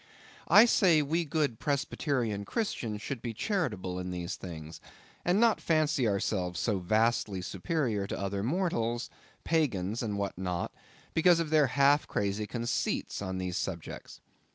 I say, we good Presbyterian Christians should be charitable in these things, and not fancy ourselves so vastly superior to other mortals, pagans and what not, because of their half crazy conceits on these subjects.